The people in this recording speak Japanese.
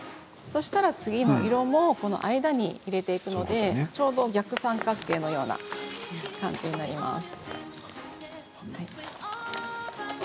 そうしたら次の色も間に入れていくのでちょうど逆三角形のような感じになります。